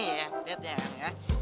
yang lihat ya